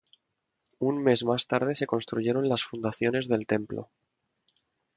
Un mes más tarde se construyeron las fundaciones del templo.